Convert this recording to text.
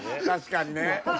確かにね。